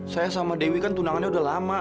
saya sama dewi kan tunangannya udah lama